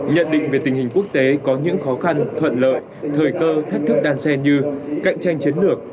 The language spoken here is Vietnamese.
nhận định về tình hình quốc tế có những khó khăn thuận lợi thời cơ thách thức đan sen như cạnh tranh chiến lược